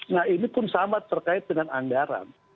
nah ini pun sama terkait dengan anggaran